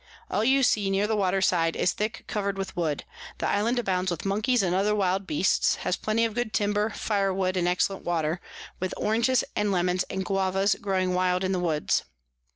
All you see near the Water side is thick covered with Wood. The Island abounds with Monkeys and other wild Beasts, has plenty of good Timber, Fire wood, and excellent Water, with Oranges and Lemons, and Guavas growing wild in the Woods.